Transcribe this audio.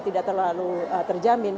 tidak terlalu terjamin